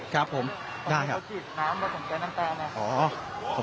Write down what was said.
ครับผมได้ครับ